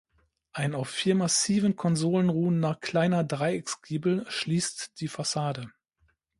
Ein auf vier massiven Konsolen ruhender kleiner Dreiecksgiebel schließt die Fassade.